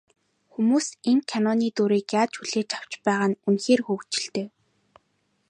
Хүмүүс энэ киноны дүрийг яаж хүлээж авч байгаа нь үнэхээр хөгжилтэй.